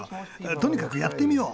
とにかくやってみよう。